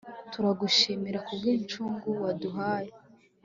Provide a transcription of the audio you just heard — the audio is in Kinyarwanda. turagushimira ku bw'incungu waduhaye